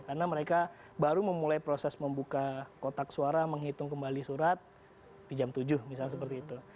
karena mereka baru memulai proses membuka kotak suara menghitung kembali surat di jam tujuh misalnya seperti itu